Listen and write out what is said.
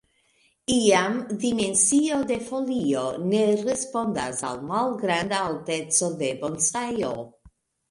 Iam dimensio de folio ne respondas al malgranda alteco de bonsajo.